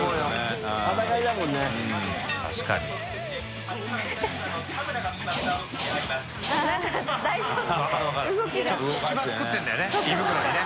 戸次）ちょっと隙間作ってるんだよね胃袋にね。